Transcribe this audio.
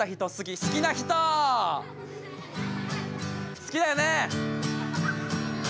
好きだよね。